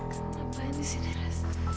kenapa ini sih res